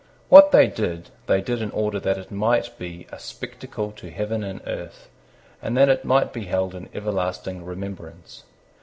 What they did they did in order that it might be a spectacle to heaven and earth, and that it might be held in everlasting remembrance.